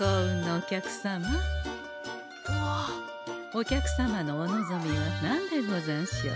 お客様のお望みは何でござんしょう。